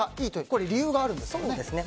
これには理由があるんですよね？